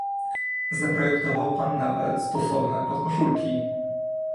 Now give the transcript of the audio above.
Zaprojektował pan nawet stosowne podkoszulki